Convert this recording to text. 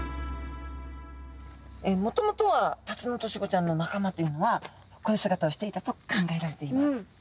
もともとはタツノオトシゴちゃんの仲間というのはこういう姿をしていたと考えられています。